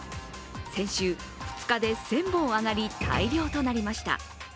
先週、２日で１０００本上がり、大漁となりました。